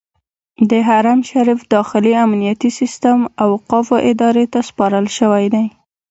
د حرم شریف داخلي امنیتي سیستم اوقافو ادارې ته سپارل شوی دی.